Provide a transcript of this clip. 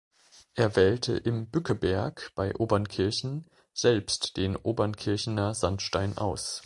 Er wählte im Bückeberg bei Obernkirchen selbst den Obernkirchener Sandstein aus.